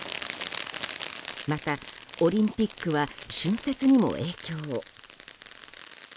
また、オリンピックは春節にも影響を。